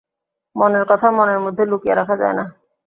মনের কথা মনের মধ্যে লুকিয়ে রাখা যায় না।